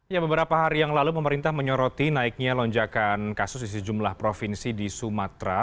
ya beberapa hari yang lalu pemerintah menyoroti naiknya lonjakan kasus di sejumlah provinsi di sumatera